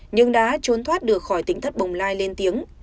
nhưng đã trốn thoát được khỏi tính thất bồng lai lên tiếng